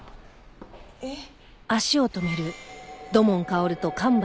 えっ？